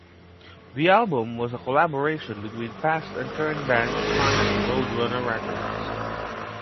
The album was a collaboration between past and current bands signed to Roadrunner Records.